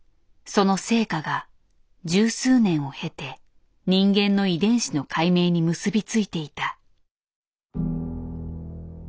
その成果が十数年を経て人間の遺伝子の解明に結び付いていた。